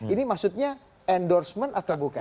ini maksudnya endorsement atau bukan